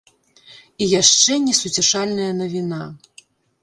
І яшчэ несуцяшальная навіна.